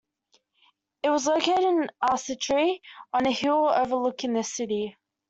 It was located in Arcetri, on a hill overlooking the city.